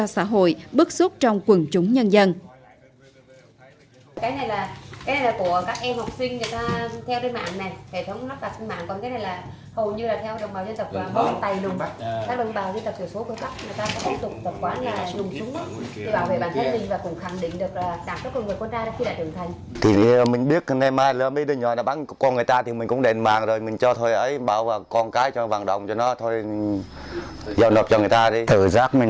gây nguy hiểm cho xã hội bức xúc trong quần chúng nhân dân